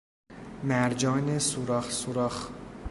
مرجان سوراخ سوراخ